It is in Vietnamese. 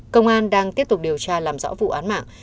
công an đang tiếp tục điều tra làm rõ vụ án mạng